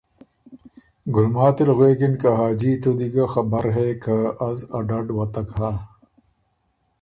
ګُلماتی ل غوېکِن که ”حاجي تُو دی ګه خبر هې که از ا ډډ وتک هۀ